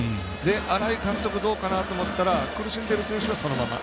新井監督どうかな？と思ったら苦しんでる選手はそのまま。